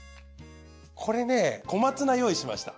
これね小松菜用意しました。